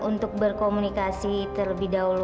untuk berkomunikasi terlebih dahulu